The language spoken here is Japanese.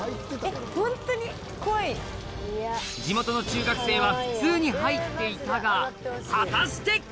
地元の中学生は普通に入っていたが果たして！